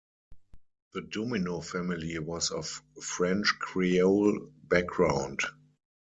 The Domino family was of French Creole background.